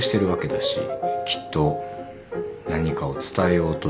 きっと何かを伝えようとしてる。